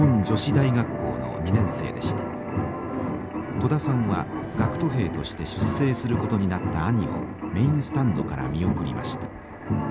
戸田さんは学徒兵として出征することになった兄をメインスタンドから見送りました。